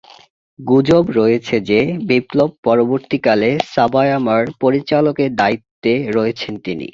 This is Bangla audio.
গুজব রয়েছে যে, বিপ্লব পরবর্তীকালে সাভামা’র পরিচালকের দায়িত্বে রয়েছেন তিনি।